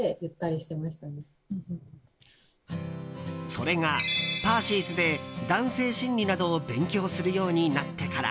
それがｐａｒｃｙ’ｓで男性心理などを勉強するようになってから。